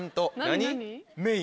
何？